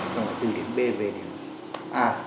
xong rồi từ điểm b về điểm a